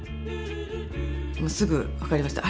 すぐ分かりました。